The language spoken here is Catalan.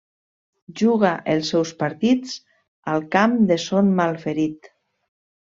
Juga els seus partits al Camp de Son Malferit.